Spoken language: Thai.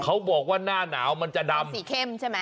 เขาบอกว่าหน้าหนาวมันจะดำ